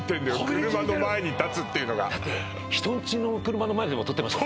車の前に立つっていうのがだって人んちの車の前でも撮ってました